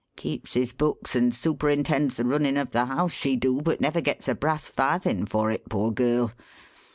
Keeps his books and superintends the runnin' of the house, she do, but never gets a brass farthin' for it, poor girl.